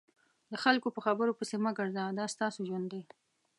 د خلکو په خبرو پسې مه ګرځه دا ستاسو ژوند دی.